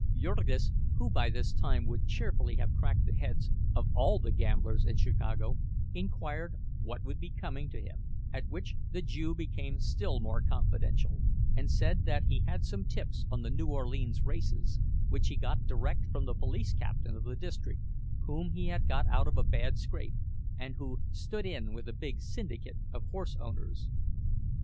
Jurgis, who by this time would cheerfully have cracked the heads of all the gamblers in Chicago, inquired what would be coming to him; at which the Jew became still more confidential, and said that he had some tips on the New Orleans races, which he got direct from the police captain of the district, whom he had got out of a bad scrape, and who "stood in" with a big syndicate of horse owners.